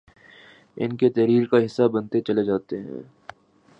ان کی تحریر کا حصہ بنتے چلے جاتے ہیں